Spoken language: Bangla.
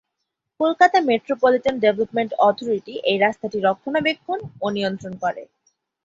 কলকাতা মেট্রোপলিটান ডেভেলপমেন্ট অথরিটি এই রাস্তাটি রক্ষণাবেক্ষণ ও নিয়ন্ত্রণ করে।